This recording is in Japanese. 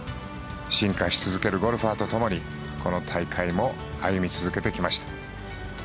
進化し続けるゴルファーとともにこの大会も歩み続けてきました。